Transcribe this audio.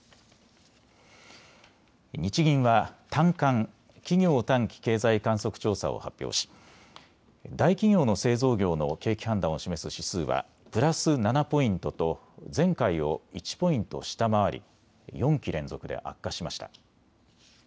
日銀は短観・企業短期経済観測調査を発表し大企業の製造業の景気判断を示す指数はプラス７ポイントと前回を１ポイント下回り４期連続で悪化しました。